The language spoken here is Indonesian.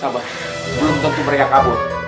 belum tentu mereka kabur